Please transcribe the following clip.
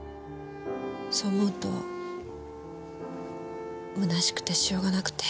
そう思うと虚しくてしょうがなくて。